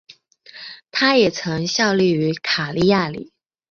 他也曾效力于卡利亚里。